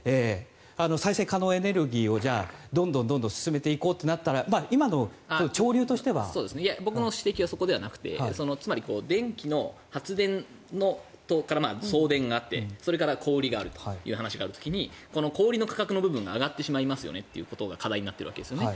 再生可能エネルギーをじゃあどんどん進めていこうとなったら僕の指摘はそこではなくてつまり電気の発電から送電があってそれから小売りがあるという話がある時に小売りの価格の部分が上がってしまいますよねということが課題になっているわけですよね。